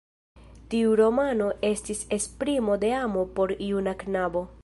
Tiu romano estis esprimo de amo por juna knabo.